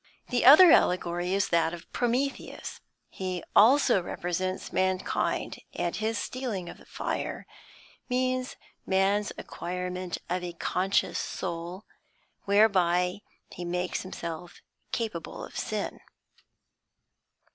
The other allegory is that of Prometheus. He also represents mankind, and his stealing of the fire means man's acquirement of a conscious soul, whereby he makes himself capable of sin.